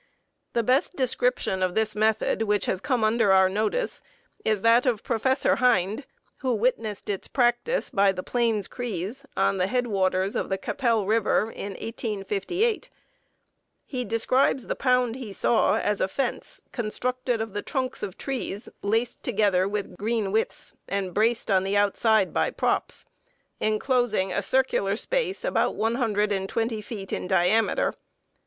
The best description of this method which has come under our notice is that of Professor Hind, who witnessed its practice by the Plains Crees, on the headwaters of the Qu'Appelle River, in 1858. He describes the pound he saw as a fence, constructed of the trunks of trees laced together with green withes, and braced on the outside by props, inclosing a circular space about 120 feet in diameter.